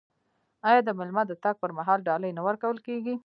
آیا د میلمه د تګ پر مهال ډالۍ نه ورکول کیږي؟